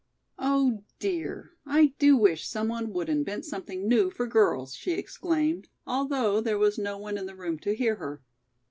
"Oh dear, I do wish some one would invent something new for girls!" she exclaimed, although there was no one in the room to hear her.